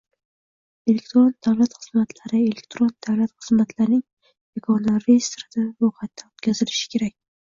Elektron davlat xizmatlari Elektron davlat xizmatlarining yagona reyestrida ro‘yxatdan o‘tkazilishi kerak.